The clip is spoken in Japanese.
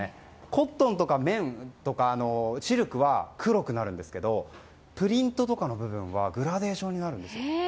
コットンとか綿とかシルクは黒くなるんですがプリントとかの部分はグラデーションになるんです。